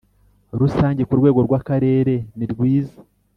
rusange ku rwego rw Akarere nirwiza